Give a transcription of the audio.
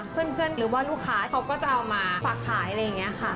หรือว่าลูกค้าเขาก็จะเอามาฝากขายอะไรอย่างนี้ค่ะ